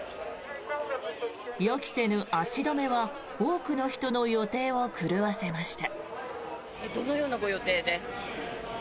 予期せぬ足止めは多くの人の予定を狂わせました。